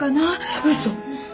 嘘。